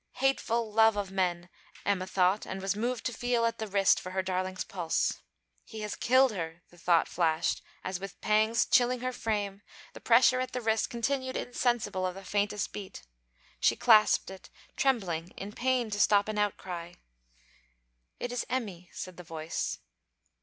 Hateful love of men! Emma thought, and was; moved to feel at the wrist for her darling's pulse. He has, killed her! the thought flashed, as, with pangs chilling her frame, the pressure at the wrist continued insensible of the faintest beat. She clasped it, trembling, in pain to stop an outcry. 'It is Emmy,' said the voice.